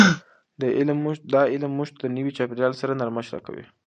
دا علم موږ ته د نوي چاپیریال سره نرمښت راکوي.